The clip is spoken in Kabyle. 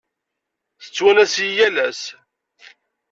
Yettwanas-iyi yal ass.